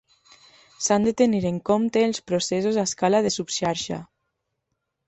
S'han de tenir en compte els processos a escala de subxarxa.